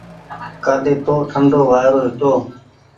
ڪآلي تو ٺنڍو وآئيرو هيتو۔